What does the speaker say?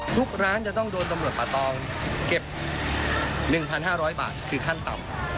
ทุกร้านจะต้องโดนตำรวจป่าตองเก็บ๑๕๐๐บาทคือขั้นต่ำ